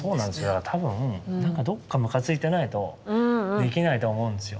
だから多分なんかどっかむかついてないとできないと思うんですよ。